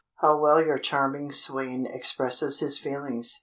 How well your charming swain expresses his feelings."